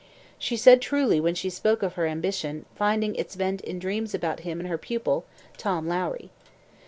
She said truly when she spoke of her ambition finding its vent in dreams about him and her pupil, Tom Lowrie.